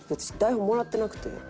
私台本もらってなくて。